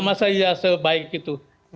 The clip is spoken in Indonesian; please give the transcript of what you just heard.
masa iya sebaik itu